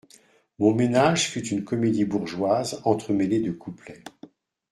Mon ménage fut une comédie bourgeoise entremêlée de couplets.